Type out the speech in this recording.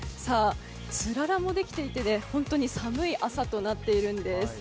つららもてきていて、本当に寒い朝となっているんです。